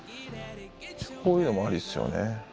こういうのもありっすよね